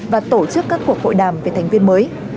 và tổ chức các cuộc hội đàm về thành viên mới